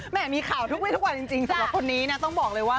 มีข่าวทุกวิทุกวันจริงสำหรับคนนี้นะต้องบอกเลยว่า